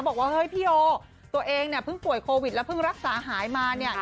บอกว่าเฮ้ยพี่โยตัวเองเนี่ยเพิ่งป่วยโควิดแล้วเพิ่งรักษาหายมาเนี่ย